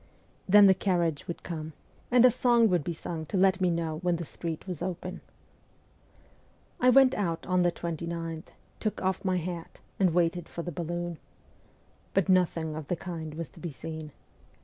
Then the carriage would come, 170 MEMOIRS OF A REVOLUTIONIST and a song would be sung to let me know when the street was open. I went out on the 29th, took off my hat, and waited for the balloon. But nothing of the kind was to be seen.